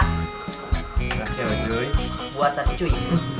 terima kasih ya cuy